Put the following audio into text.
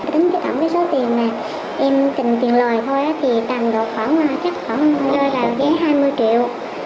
tính cái tổng cái số tiền mà em trình tiền lời thôi thì tầm được khoảng chắc khoảng giá hai mươi triệu